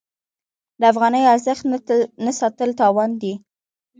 د افغانۍ ارزښت نه ساتل تاوان دی.